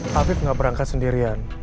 hafif gak berangkat sendirian